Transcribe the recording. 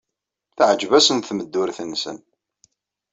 Teɛjeb-asen tmeddurt-nsen.